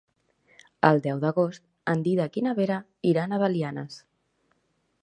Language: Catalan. El deu d'agost en Dídac i na Vera iran a Belianes.